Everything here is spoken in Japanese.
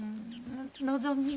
のぞみ。